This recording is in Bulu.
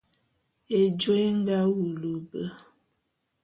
Ejôé é nga wulu be.